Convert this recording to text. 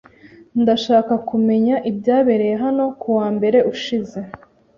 Ndashaka kumenya ibyabereye hano kuwa mbere ushize.